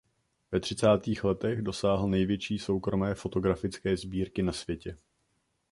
Ve třicátých letech dosáhl největší soukromé fotografické sbírky na světě.